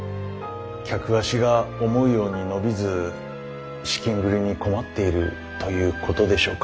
客足が思うように伸びず資金繰りに困っているということでしょうか。